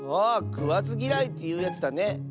あくわずぎらいというやつだね。